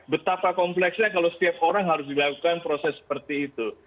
betapa kompleksnya kalau setiap orang harus dilakukan proses seperti itu